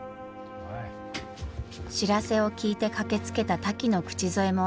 知らせを聞いて駆けつけたタキの口添えもあり